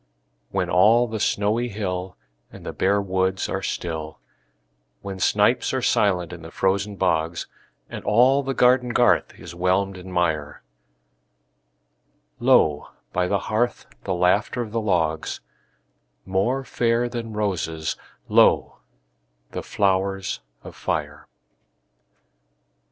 When all the snowy hill And the bare woods are still; When snipes are silent in the frozen bogs, And all the garden garth is whelmed in mire, Lo, by the hearth, the laughter of the logs— More fair than roses, lo, the flowers of fire!